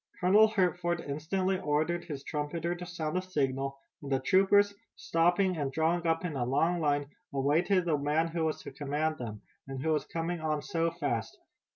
Colonel Hertford instantly ordered his trumpeter to sound a signal, and the troopers, stopping and drawing up in a long line, awaited the man who was to command them, and who was coming on so fast.